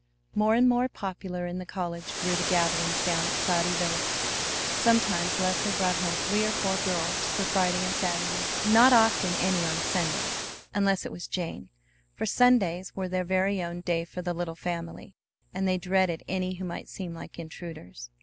More and more popular in the college grew the gatherings down at Cloudy Villa. Sometimes Leslie brought home three or four girls for Friday and Saturday, not often any on Sunday, unless it was Jane; for Sundays were their very own day for the little family, and they dreaded any who might seem like intruders.